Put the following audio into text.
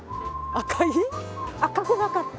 赤くなかった。